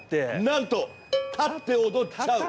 なんと立って踊っちゃう。